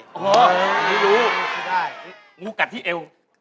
อ๋อไม่รู้ไม่ได้งูกัดที่เอว